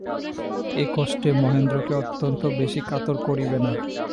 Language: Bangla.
এ কষ্টে মহেন্দ্রকে অত্যন্ত বেশি কাতর করিবে না।